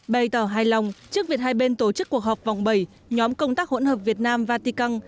bày tỏ hài lòng trước việc hai bên tổ chức cuộc họp vòng bảy nhóm công tác hỗn hợp việt nam vatican